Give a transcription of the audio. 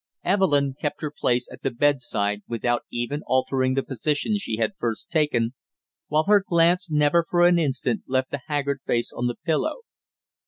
Evelyn kept her place at the bedside without even altering the position she had first taken, while her glance never for an instant left the haggard face on the pillow.